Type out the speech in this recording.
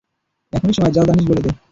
এখনই সময়, যা জানিস বলে দে।